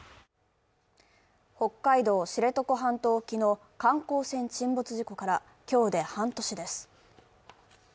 北海道知床半島沖の観光船沈没事故から今日で半年です。